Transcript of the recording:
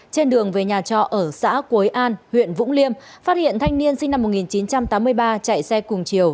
trên đường về nhà trọ ở xã quế an huyện vũng liêm phát hiện thanh niên sinh năm một nghìn chín trăm tám mươi ba chạy xe cùng chiều